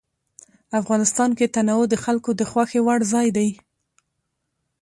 افغانستان کې تنوع د خلکو د خوښې وړ ځای دی.